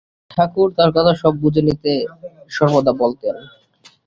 আমাকে ঠাকুর তাঁর কথা সব বুঝে নিতে সর্বদা বলতেন।